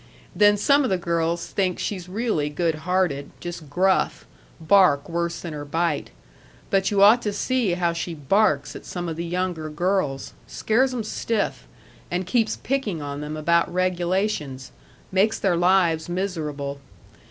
Then some of the girls think she's really good hearted just gruff bark worse than her bite. But you ought to see how she barks at some of the younger girls scares 'em stiff and keeps picking on them about regulations makes their lives miserable.